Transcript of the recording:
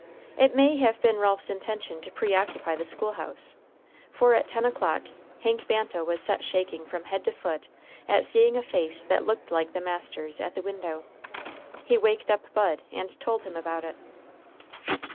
It may have been Ralph's intention to preoccupy the school house, for at ten o'clock Hank Banta was set shaking from head to foot at seeing a face that looked like the master's at the window. He waked up Bud and told him about it.